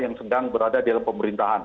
yang sedang berada di dalam pemerintahan